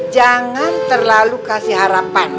jangan terlalu kasih harapan